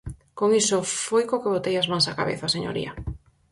Con iso foi co que botei as mans á cabeza, señoría.